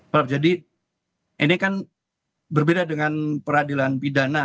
prof jadi ini kan berbeda dengan peradilan pidana